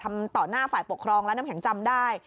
ต่อหน้าฝ่ายปกครองและน้ำแข็งจำได้